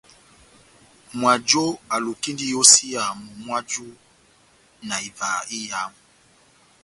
Mwajo alukindi iyosiya momó waju na ivaha iyamu.